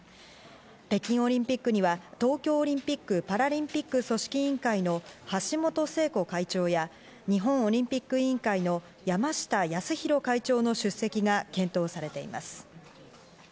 北京オリンピックには東京オリンピック・パラリンピック組織委員会の橋本聖子会長や日本オリンピック委員会の山下泰裕会長の出席が検討されています。